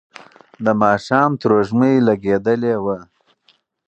د ماښام تروږمۍ لګېدلې وه.